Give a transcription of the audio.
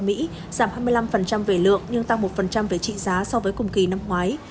giảm hai mươi năm về lượng nhưng tăng một về trị giá so với cùng kỳ năm ngoái